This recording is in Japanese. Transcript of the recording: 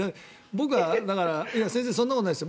僕は、だから先生そんなことないです。